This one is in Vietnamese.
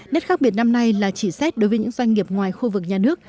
nét khác biệt năm nay là chỉ xét đối với những doanh nghiệp ngoài khu vực nhà nước